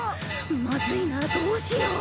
まずいなどうしよう。